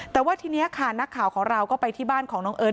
แต่ว่าทีนี้ค่ะนักข่าวของเราก็ไปที่บ้านของน้องเอิร์ท